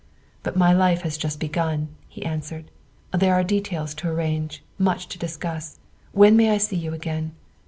" But my life has just begun," he answered; " there are details to arrange much to discuss. When may I see you again